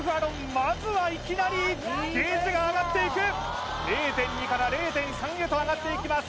まずはいきなりゲージが上がっていく０．２から０．３へと上がっていきます